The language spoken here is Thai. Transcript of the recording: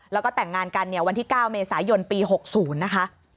แล้วก็แต่งงานกันเนี่ยวันที่๙เมษายนปี๖๐นะคะ